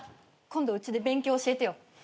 今度うちで勉強教えてよ。